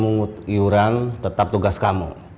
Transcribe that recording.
memungut iuran tetap tugas kamu